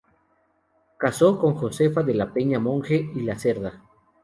Casó con Josefa de la Peña-Monje y La Cerda.